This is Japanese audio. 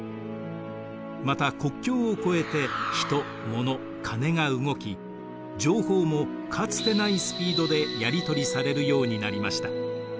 また国境を超えて人もの金が動き情報もかつてないスピードでやり取りされるようになりました。